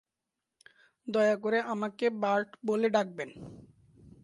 দয়া করে আমাকে বার্ট বলে ডাকবেন।